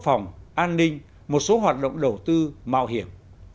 quốc phòng an ninh một số hoạt động đầu tư mạo hiểm